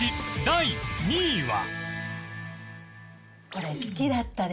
第２位は